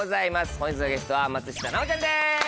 本日のゲストは松下奈緒ちゃんです。